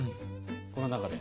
この中で。